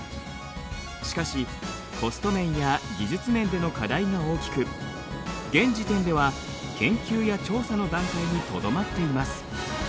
しかしコスト面や技術面での課題が大きく現時点では研究や調査の段階にとどまっています。